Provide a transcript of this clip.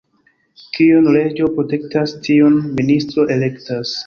Kiun reĝo protektas, tiun ministro elektas.